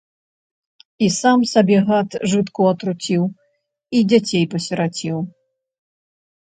І сам сабе, гад, жытку атруціў, і дзяцей пасіраціў.